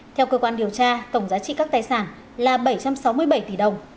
theo cơ quan điều tra tổng giá trị các tài sản là bảy trăm sáu mươi bảy tỷ đồng